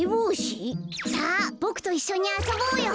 さあボクといっしょにあそぼうよ。